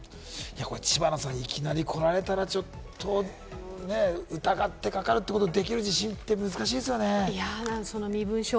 知花さん、いきなり来られたらちょっと疑ってかかるということできる自信って難しいですよね。